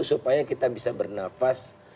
supaya kita bisa bernafas